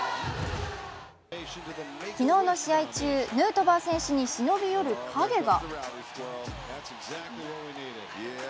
昨日の試合中、ヌートバー選手に忍び寄る影が。